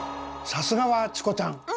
さすがはチコちゃん！